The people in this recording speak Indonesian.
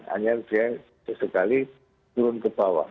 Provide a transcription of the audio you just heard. hanya dia sesekali turun ke bawah